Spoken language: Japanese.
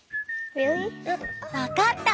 分かった